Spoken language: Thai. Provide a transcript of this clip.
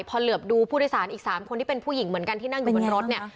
พอเหลือบดูผู้โดยสารอีก๓คนที่เป็นผู้หญิงเหมือนกันที่นั่งอยู่บนรถเนี่ย